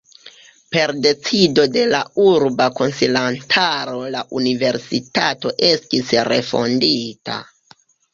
Per decido de la urba konsilantaro la universitato estis refondita.